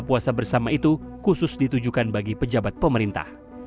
buka puasa bersama itu khusus ditujukan bagi pejabat pemerintah